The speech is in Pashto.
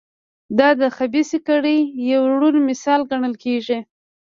دا د خبیثه کړۍ یو روڼ مثال ګڼل کېږي.